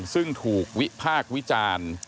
ซึ่งถูกวิภาควิจารณ์